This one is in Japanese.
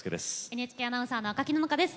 ＮＨＫアナウンサーの赤木野々花です。